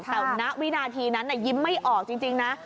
แต่ณวินาทีนั้นยิ้มไม่ออกจริงนะ